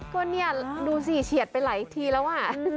ก็นี่ดูสิเชียดไปหลายทีแล้ว